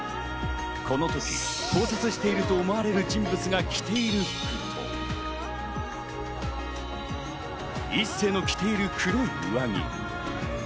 このとき盗撮してると思われる人物が着ている服が一星の着ている黒い上着。